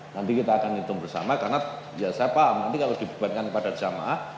nanti kita akan hitung bersama karena ya saya paham nanti kalau dibebankan kepada jamaah